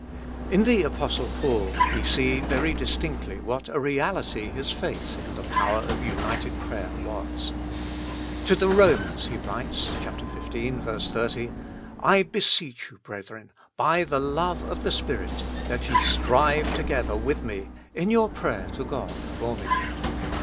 In the Apostle Paul we see very distinctly what a reality his faith in the power of united prayer was. To the Romans he writes (xv. 30) : "I beseech you, brethren, by the love of the Spirit, that ye strive together with me in your prayer to God for me."